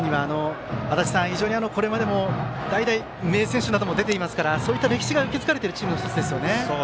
足達さん、さらにはこれまでも代々、名選手なども出ていますからそういった歴史が受け継がれているチームの１つですよね。